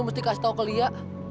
mesti kasih tau ke lia